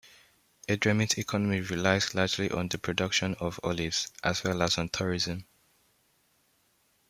Edremit's economy relies largely on the production of olives, as well as on tourism.